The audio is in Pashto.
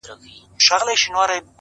زما د خيال د فلسفې شاعره “